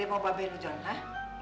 bapak be nujur lah